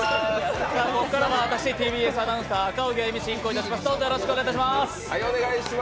ここからは私ＴＢＳアナウンサー赤荻歩進行いたします。